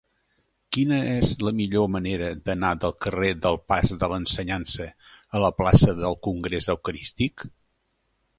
Quina és la millor manera d'anar del carrer del Pas de l'Ensenyança a la plaça del Congrés Eucarístic?